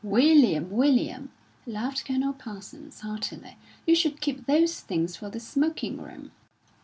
"William, William!" laughed Colonel Parsons, heartily. "You should keep those things for the smoking room."